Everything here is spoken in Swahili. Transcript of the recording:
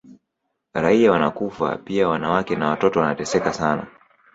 Raia wanakufa pia wanawake na watoto wanateseka sana